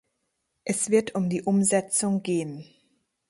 Es wird um die Umsetzung gehen.